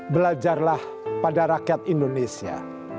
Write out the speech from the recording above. belajarlah pada rakyat indonesia